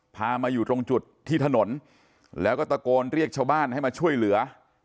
พามาอยู่ตรงจุดที่ถนนแล้วก็ตะโกนเรียกชาวบ้านให้มาช่วยเหลือ